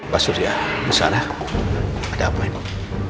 pak surya besara ada apa inom